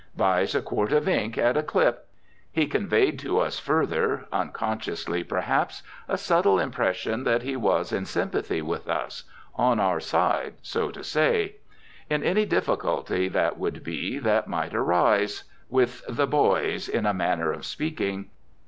Buys a quart of ink at a clip. He conveyed to us further, unconsciously, perhaps, a subtle impression that he was, in sympathy with us, on our side, so to say; in any difficulty, that would be, that might arise; with "the boys," in a manner of speaking.